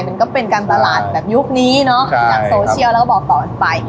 มันก็เป็นการตลาดแบบยุคนี้เนาะจากโซเชียลเราก็บอกต่อไป